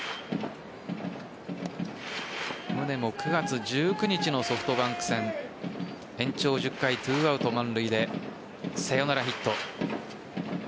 宗も９月１９日のソフトバンク戦延長１０回、２アウト満塁でサヨナラヒット。